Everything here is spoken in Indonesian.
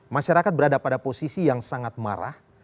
masyarakat berada pada posisi yang sangat marah